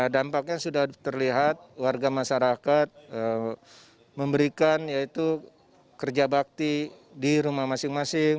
dampaknya sudah terlihat warga masyarakat memberikan yaitu kerja bakti di rumah masing masing